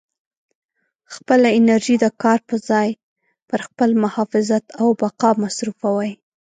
خپله انرژي د کار په ځای پر خپل محافظت او بقا مصروفوئ.